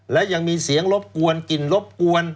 และยังมีเสียงรบกวนกลิ่นรบกวน